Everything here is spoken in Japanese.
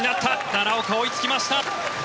奈良岡、追いつきました。